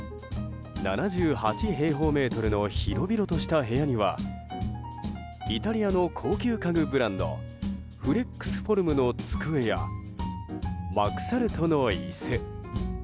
７８平方メートルの広々とした部屋にはイタリアの高級家具ブランドフレックスフォルムの机やマクサルトの椅子。